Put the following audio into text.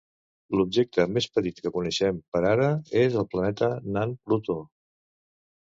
L'objecte més petit que coneixem per ara és el planeta nan Plutó.